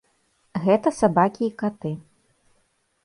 Гэта сабакі і каты.